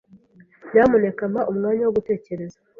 Nyamuneka mpa umwanya wo gutekereza.